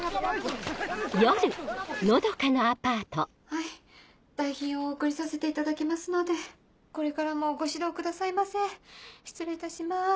はい代品をお送りさせていただきますのでこれからもご指導くださいませ失礼いたします。